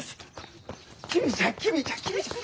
公ちゃん公ちゃん公ちゃん。